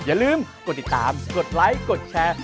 อย่าลืมกดติดตามกดไลค์กดแชร์